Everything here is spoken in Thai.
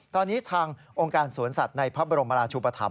ตอนนี้ทางองค์การสวนสัตว์ในพระบรมราชุปธรรม